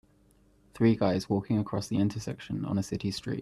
Three guys walking across the intersection on a city street.